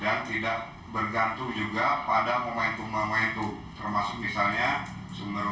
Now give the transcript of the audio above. dan tidak bergantung juga pada momentum momentum